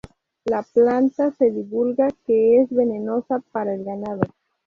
La planta se divulga que es venenosa para el ganado.